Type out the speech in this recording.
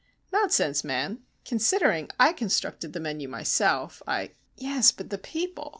"Nonsense, man? Considering I constructed the menu myself, I " "Yes, but the people.